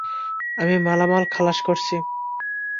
আমি মালামাল খালাস করছি।